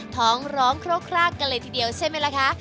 ท้องร้องคร่ากันเลยทีเดียวใช่ไหมล่ะคะ